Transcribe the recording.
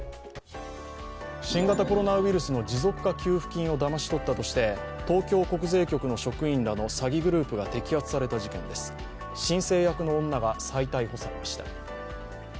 新型コロナウイルスの持続化給付金をだまし取ったとして東京国税局の職員らの詐欺グループが摘発された事件で申請役の女が再逮捕されました。